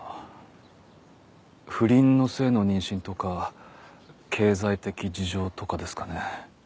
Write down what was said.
不倫の末の妊娠とか経済的事情とかですかね。